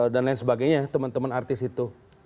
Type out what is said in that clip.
dan lain sebagainya teman teman artis itu